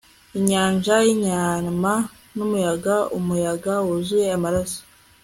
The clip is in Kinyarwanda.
inyanja yinyama, n umuyaga umuyaga wuzuye amaraso